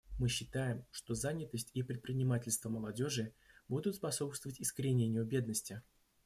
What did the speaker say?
Мы считаем, что занятость и предпринимательство молодежи будут способствовать искоренению бедности.